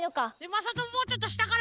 まさとももうちょっとしたから。